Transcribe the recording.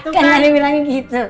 kan ada yang bilangnya gitu